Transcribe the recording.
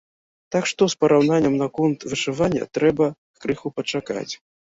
Так што з параўнаннем наконт вышывання трэба крыху пачакаць.